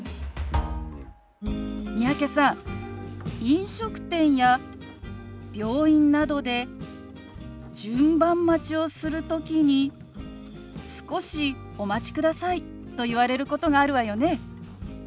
飲食店や病院などで順番待ちをする時に「少しお待ちください」と言われることがあるわよね？